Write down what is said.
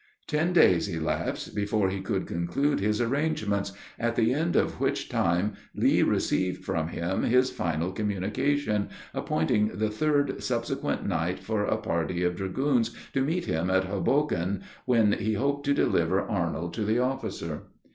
Ten days elapsed before he could conclude his arrangements, at the end of which time, Lee received from him his final communication, appointing the third subsequent night for a party of dragoons to meet him at Hoboken, when he hoped to deliver Arnold to the officer.